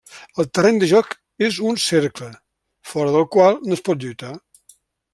El terreny de joc és un cercle, fora del qual no es pot lluitar.